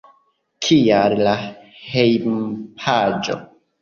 Kial la hejmpaĝo?